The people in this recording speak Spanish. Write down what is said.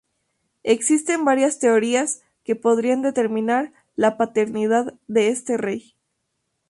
Existen varias teorías que podría determinar la paternidad de este rey.